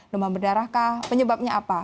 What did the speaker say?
demam berdarah kah penyebabnya apa